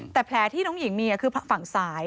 แต่แผลที่น้องหญิงมีคือฝั่งซ้าย